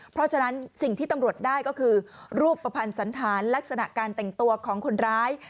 เพราะฉะนั้นสิ่งที่ตำรวจได้ก็คือรูปประพันธ์สันธารลักษณะการแต่งตัวของคนร้าย